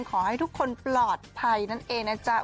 ขอให้ทุกคนปลอดภัยนั่นเองนะจ๊ะ